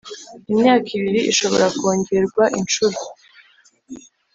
imyaka ibiri ishobora kongerwa inshuro